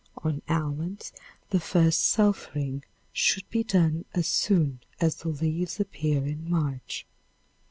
On almonds the first sulphuring should be done as soon as the leaves appear in March.